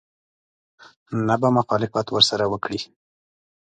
نه به مخالفت ورسره وکړي.